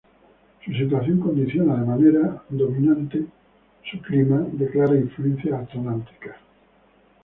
Su situación condiciona de manera determinante su clima, de clara influencia atlántica.